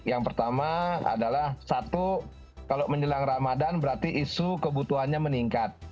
yang pertama adalah satu kalau menjelang ramadan berarti isu kebutuhannya meningkat